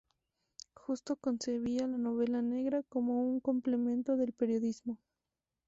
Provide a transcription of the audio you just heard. Justo concebía la novela negra "como un complemento del periodismo".